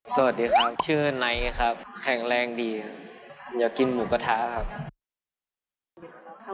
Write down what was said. สวัสดีครับชื่อไนท์ครับแข็งแรงดีอยากกินหมูกระทะครับ